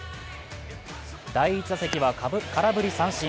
第１打席は空振り三振。